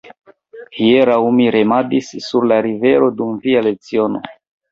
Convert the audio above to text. Hieraŭ mi remadis sur la rivero dum via leciono.